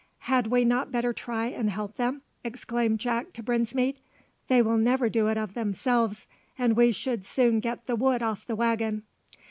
"Had we not better try and help them?" exclaimed Jack to Brinsmead; "they will never do it of themselves, and we should soon get the wood off the waggon."